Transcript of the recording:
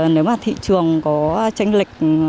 nếu mà thị trường có tranh lịch